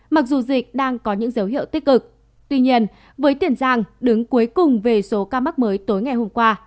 mặc dù dịch đang có những dấu hiệu tích cực tuy nhiên với tiền giang đứng cuối cùng về số ca mắc mới tối ngày hôm qua